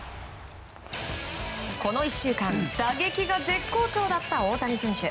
この１週間打撃が絶好調だった大谷選手。